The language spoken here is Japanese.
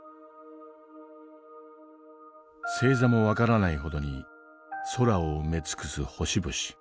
星座も分からないほどに空を埋め尽くす星々。